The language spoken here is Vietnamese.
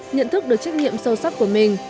nhận thức được trách nhiệm sâu sắc của mình